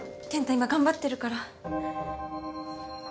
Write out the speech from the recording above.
今頑張ってるから。